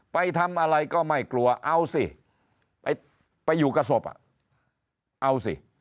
ไปทำอะไรก็ไม่กลัวเอาสิไปอยู่กับศพอ่ะเอาสิ